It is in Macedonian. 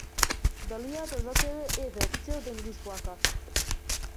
Далијата за тебе, ете, цел ден го исплака.